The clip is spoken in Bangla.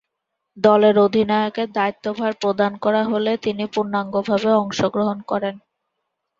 দলের অধিনায়কের দায়িত্বভার প্রদান করা হলে তিনি পূর্ণাঙ্গভাবে অংশগ্রহণ করেন।